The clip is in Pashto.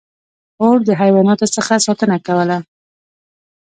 • اور د حیواناتو څخه ساتنه کوله.